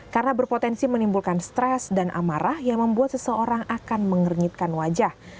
karena berpotensi menimbulkan stres dan amarah yang membuat seseorang akan mengernyitkan wajah